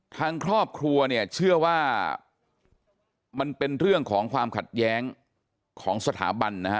ทางครอบครัวเนี่ยเชื่อว่ามันเป็นเรื่องของความขัดแย้งของสถาบันนะฮะ